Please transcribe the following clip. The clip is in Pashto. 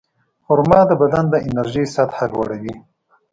خرما د بدن د انرژۍ سطحه لوړوي.